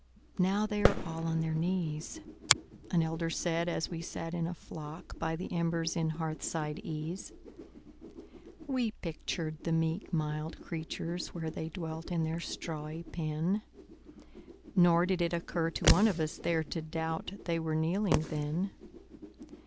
"Now they are all on their knees,"An elder said as we sat in a flock By the embers in hearthside ease. We pictured the meek mild creatures where They dwelt in their strawy pen, Nor did it occur to one of us there To doubt they were kneeling then.